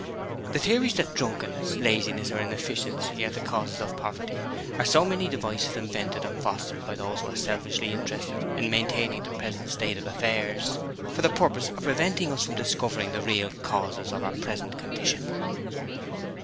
The theories that drunkenness, laziness or inefficiency are the causes of poverty are so many devices invented and fostered by those who are selfishly interested in maintaining the present states of affairs, for the purpose of preventing us from discovering the real causes of our present condition.'